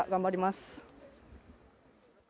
頑張ります。